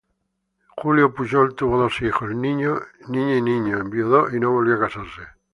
Julio Puyol tuvo dos hijos, niña y niño, enviudó y no volvió a casarse.